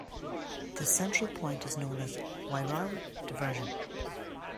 The central point is known as the Wairau Diversion.